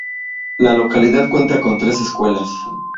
La localidad cuenta con tres escuelas.